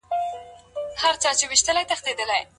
د بلنې نه منل د چا نافرماني ګڼل کېږي؟